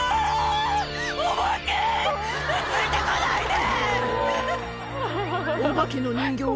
ついて来ないで！